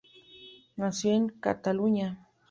Nació en Cataluña.